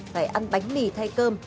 phải ăn bánh mì thay cơm